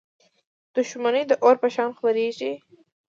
• دښمني د اور په شان خپرېږي.